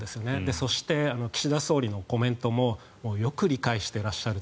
そして、岸田総理のコメントもよく理解していらっしゃると。